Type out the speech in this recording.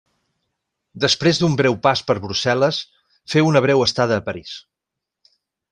Després d'un breu pas per Brussel·les, feu una breu estada a París.